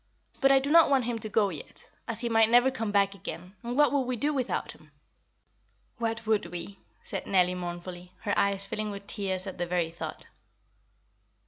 But I do not want him to go yet, as he might never come back again; and what would we do without him?" "What would we?" said Nellie mournfully, her eyes filling with tears at the very thought.